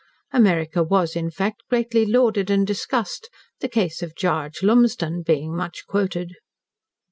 America was, in fact, greatly lauded and discussed, the case of "Gaarge" Lumsden being much quoted.